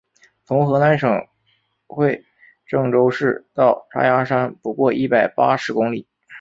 从河南省会郑州市到嵖岈山不过一百八十公里。